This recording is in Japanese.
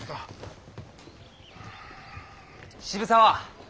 渋沢！